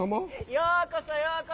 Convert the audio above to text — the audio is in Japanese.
ようこそ！